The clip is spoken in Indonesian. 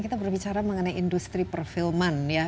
kita berbicara mengenai industri perfilman ya